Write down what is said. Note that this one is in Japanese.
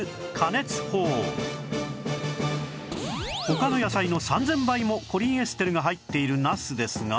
他の野菜の３０００倍もコリンエステルが入っているナスですが